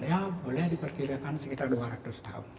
ya boleh diperkirakan sekitar dua ratus tahun